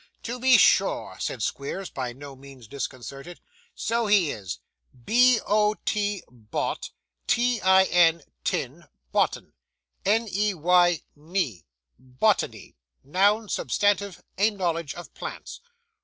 'To be sure,' said Squeers, by no means disconcerted. 'So he is. B o t, bot, t i n, tin, bottin, n e y, ney, bottinney, noun substantive, a knowledge of plants.